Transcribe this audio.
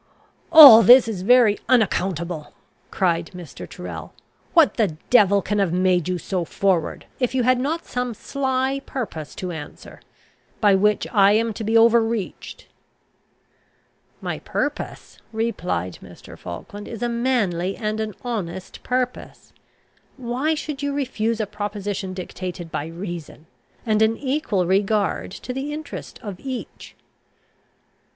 "All this is very unaccountable," cried Mr. Tyrrel. "What the devil can have made you so forward, if you had not some sly purpose to answer, by which I am to be overreached?" "My purpose," replied Mr. Falkland, "is a manly and an honest purpose. Why should you refuse a proposition dictated by reason, and an equal regard to the interest of each?"